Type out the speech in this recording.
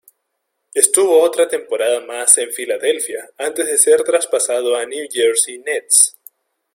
Estuvo otra temporada más en Philadelphia antes de ser traspasado a New Jersey Nets.